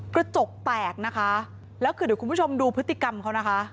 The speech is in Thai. กระจกแตกนะคะแล้วคือเดี๋ยวคุณผู้ชมดูพฤติกรรมเขานะคะ